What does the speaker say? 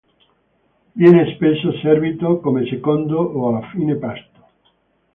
Viene spesso servito come secondo o a fine pasto.